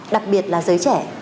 đặc biệt là giới trẻ